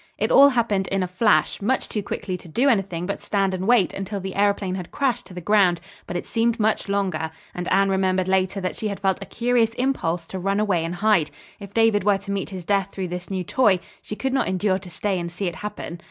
It all happened in a flash, much too quickly to do anything but stand and wait until the aëroplane had crashed to the ground, but it seemed much longer, and Anne remembered later that she had felt a curious impulse to run away and hide. If David were to meet his death through this new toy, she could not endure to stay and see it happen.